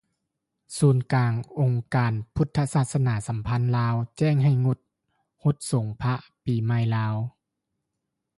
ສູນກາງອົງການພຸດທະສາສະໜາສັມພັນລາວ ແຈ້ງໃຫ້ງົດການຮົດສົງພຣະປີໃໝ່ລາວ